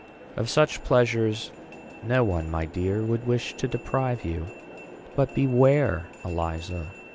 "Of such pleasures, no one, my dear, would wish to deprive you; but beware, Eliza!